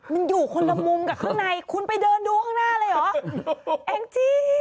มันอยู่คนละมุมกับข้างในคุณไปเดินดูข้างหน้าเลยเหรอแองจี้